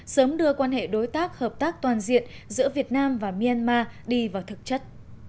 sớm đưa quan hệ đối tác hợp tác toàn diện giữa việt nam và myanmar đi vào thực chất